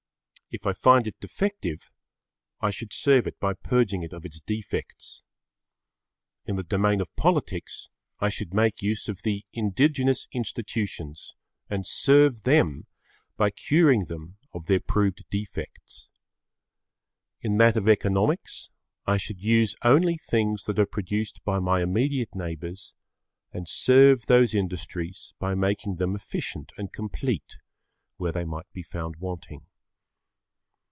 If I find it defective, I should serve it by purging it of its defects. In the domain of politics I should make use of the indigenous institutions and serve them by curing them of their proved defects. In that of economics I should use only things that are produced by my immediate[Pg 12] neighbours and serve those industries by making them efficient and complete where they might be found wanting.